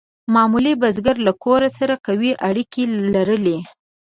معمولي بزګر له کور سره قوي اړیکې لرلې.